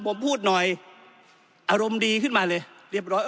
ผมพูดหน่อยอารมณ์ดีขึ้นมาเลยเรียบร้อย